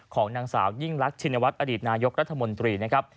ของนางสาวยิ่งรักชินวัฒนอดีตนายกรัฐมนตรีนะครับ